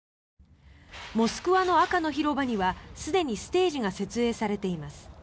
モスクワの赤の広場にはすでにステージが設営されています。